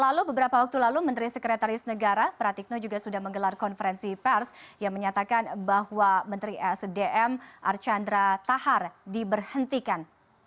lalu beberapa waktu lalu menteri sekretaris negara pratikno juga sudah menggelar konferensi pers yang menyatakan bahwa menteri sdm archandra tahar diberhentikan